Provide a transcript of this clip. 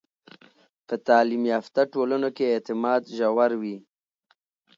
په تعلیم یافته ټولنو کې اعتماد ژور وي.